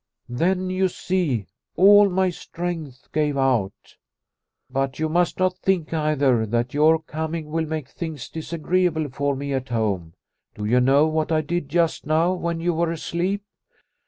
Then, you see, all my strength gave out. " But you must not think either that your 142 Liliecrona's Home coming will make things disagreeable for me at home. Do you know what I did just now when you were asleep